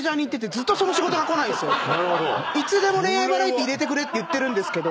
いつでも恋愛バラエティ入れてくれって言ってるんですけど。